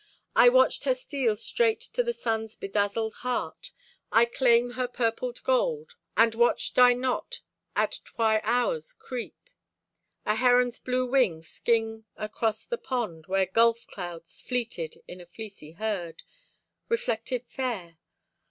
I watched her steal straight to the sun's Bedazzled heart. I claim her purpled gold. And watched I not, at twi hours creep, A heron's blue wing skim across the pond, Where gulf clouds fleeted in a fleecy herd, Reflected fair?